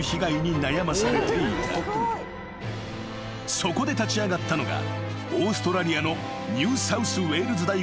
［そこで立ち上がったのがオーストラリアの］